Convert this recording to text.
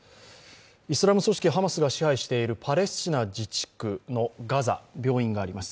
イスラム組織ハマスが支配しているパレスチナ自治区のガザ、病院があります。